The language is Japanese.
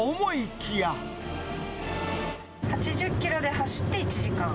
８０キロで走って１時間。